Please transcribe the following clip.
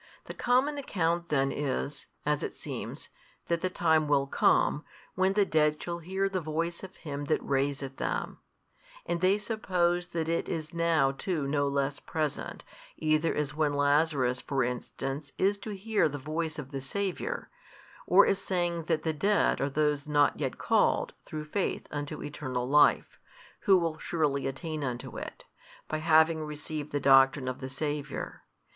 The common account then is (as it seems) that the time will come, when the dead shall hear the Voice of Him That raiseth them: and they suppose that it is now too no less present, either as when Lazarus for instance is to hear the Voice of the Saviour, or as saying that the dead are those not yet called through faith unto eternal life, who will surely attain unto it, by having received the doctrine of the Saviour.